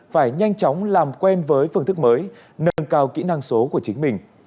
phải nhanh chóng làm quen với phương thức mới nâng cao kỹ năng số của chính mình